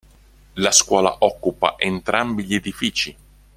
La scuola occupa entrambi gli edifici.